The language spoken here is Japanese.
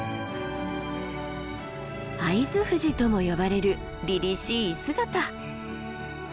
会津富士とも呼ばれるりりしい姿。